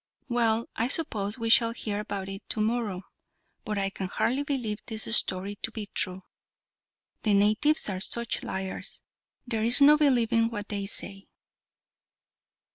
Well, I suppose we shall hear about it to morrow, but I can hardly believe this story to be true. The natives are such liars there's no believing what they say."